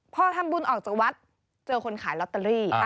พอทำบุญออกจากวัดเจอคนขายลอตเตอรี่